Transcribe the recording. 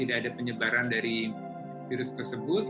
tidak ada penyebaran dari virus tersebut